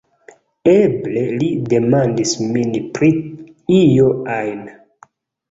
Eble li demandas min pri io ajn!"